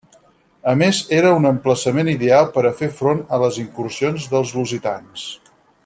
A més era un emplaçament ideal per a fer front a les incursions dels lusitans.